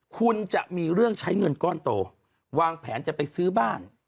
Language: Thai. คุณจะมีเรื่องใช้เงินก้อนโตวางแผนจะไปซื้อบ้าน